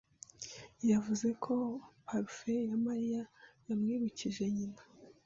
yavuze ko parufe ya Mariya yamwibukije nyina.